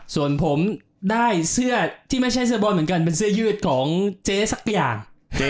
ส่วนผมได้เสื้อที่ไม่ใช่เสื้อบอลเหมือนกันเป็นเสื้อยืดของเจ๊สักตัวอย่าง